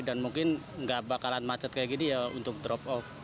dan mungkin gak bakalan macet kayak gini ya untuk drop off